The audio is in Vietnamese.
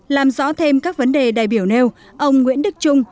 làm rõ thêm các vấn đề đại biểu nêu ông nguyễn đức trung